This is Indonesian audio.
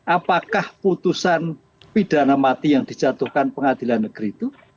apakah putusan pidana mati yang dijatuhkan pengadilan negeri itu